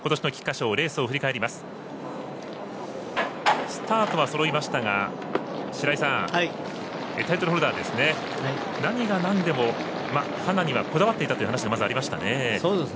スタートはそろいましたが白井さん、タイトルホルダー何がなんでもハナはこだわっていたという話がまず、ありましたね。